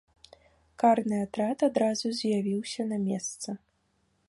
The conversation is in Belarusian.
Карны атрад адразу з'явіўся на месца.